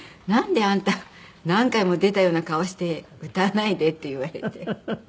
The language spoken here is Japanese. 「なんであんた何回も出たような顔して歌わないで」って言われて。